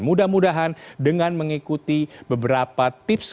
mudah mudahan dengan mengikuti beberapa tips